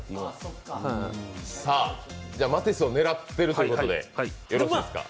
マティスを狙ってるということでよろしいですか？